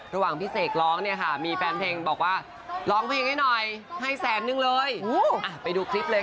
ระหว่างพี่เสกร้องเนี่ยค่ะมีแฟนเพลงบอกว่าร้องเพลงให้หน่อยให้แสนนึงเลยไปดูคลิปเลยค่ะ